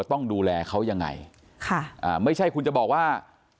ต้องดูแลเขายังไงค่ะอ่าไม่ใช่คุณจะบอกว่า